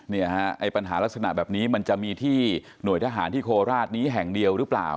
ไอ้ปัญหาลักษณะแบบนี้มันจะมีที่หน่วยทหารที่โคราชนี้แห่งเดียวหรือเปล่า